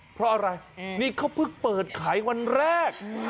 เพราะอะไรนี่เขาเพิ่งเปิดขายวันแรก